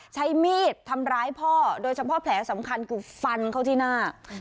ใช้มีดทำร้ายพ่อโดยเฉพาะแผลสำคัญคือฟันเข้าที่หน้า